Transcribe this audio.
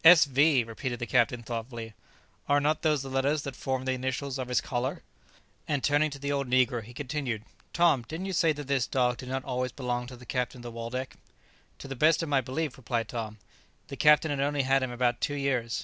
"S V!" repeated the captain thoughtfully; "are not those the letters that form the initials on his collar?" And turning to the old negro, he continued, "Tom didn't you say that this dog did not always belong to the captain of the 'Waldeck'?" "To the best of my belief," replied Tom, "the captain had only had him about two years.